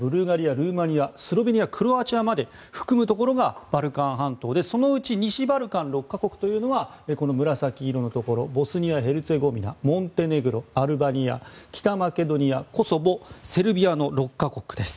ルーマニア、スロベニアクロアチアまで含むところがバルカン半島でそのうち西バルカン６か国はこの紫色のところボスニア・ヘルツェゴビナモンテネグロ、アルバニア北マケドニア、コソボセルビアの６か国です。